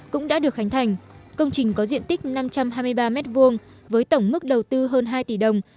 cũng đã được khánh thành công trình có diện tích năm trăm hai mươi ba m hai với tổng mức đầu tư hơn hai tỷ đồng